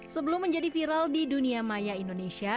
sebelum menjadi viral di dunia maya indonesia